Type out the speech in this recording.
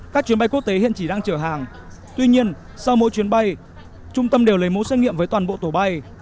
các chuyến bay quốc tế hiện chỉ đang chở hàng tuy nhiên sau mỗi chuyến bay trung tâm đều lấy mẫu xét nghiệm với toàn bộ tổ bay